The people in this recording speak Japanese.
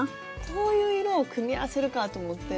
こういう色を組み合わせるかぁと思って。